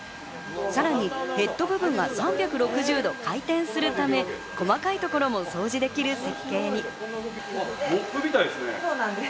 さらにヘッド部分が３６０度回転するため、細かいところも掃除できる設計に。